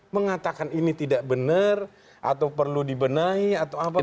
mengatakan ini tidak benar atau perlu dibenahi atau apa